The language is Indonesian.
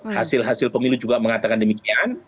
hasil hasil pemilu juga mengatakan demikian